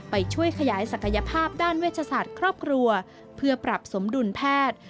ไปช่วยขยายศักยภาพด้านเวชศาสตร์ครอบครัวเพื่อปรับสมดุลแพทย์